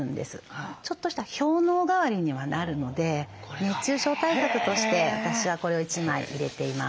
ちょっとした氷のう代わりにはなるので熱中症対策として私はこれを１枚入れています。